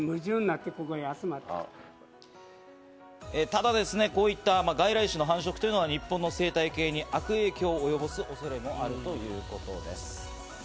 ただこういった外来種の繁殖というのは日本の生態系に悪影響を及ぼす恐れもあるということです。